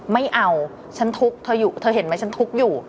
ไม่เอาฉันทุกข์เธออยู่เธอเห็นไหมฉันทุกข์อยู่